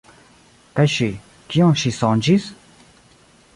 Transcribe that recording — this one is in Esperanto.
Kaj ŝi, kion ŝi sonĝis?